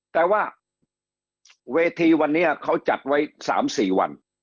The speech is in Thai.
แต่ว่าเวทีวันนี้เขาจัดไว้๓๔วัน